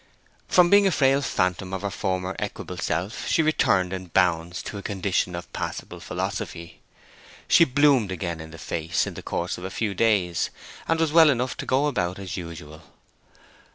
From being a frail phantom of her former equable self she returned in bounds to a condition of passable philosophy. She bloomed again in the face in the course of a few days, and was well enough to go about as usual.